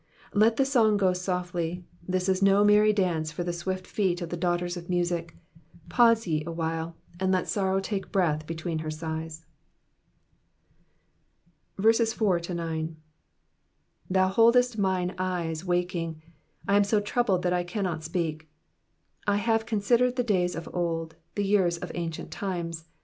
Let the son^ go softly; this is no merry dance for the swift feet of the daughters of music, pause ye awhile, and let sorrow take breath between her sighs. 4 Thou boldest mine eyes waking : I am so troubled that I cannot speak. 5 I have considered the days of old, the years of ancient times.